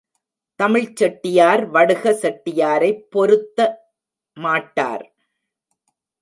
தமிழ்ச் செட்டியார் வடுக செட்டியாரைப் பொருத்த மாட்டார்.